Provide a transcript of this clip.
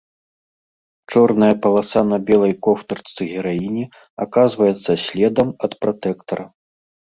Чорная паласа на белай кофтачцы гераіні аказваецца следам ад пратэктара.